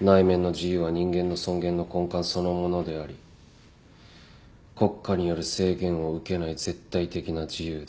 内面の自由は人間の尊厳の根幹そのものであり国家による制限を受けない絶対的な自由だ。